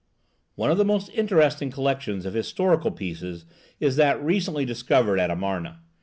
One of the most interesting collections of historical pieces is that recently discovered at Amarna.